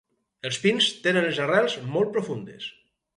Els pins tenen les arrels molt profundes.